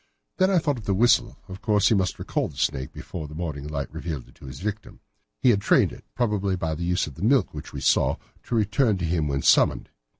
Then I thought of the whistle. Of course he must recall the snake before the morning light revealed it to the victim. He had trained it, probably by the use of the milk which we saw, to return to him when summoned.